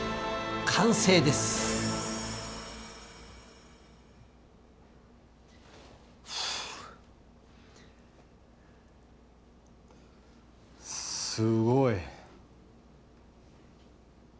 すごい。